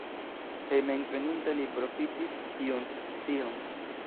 Hejmenveninta li profitis tiun scion.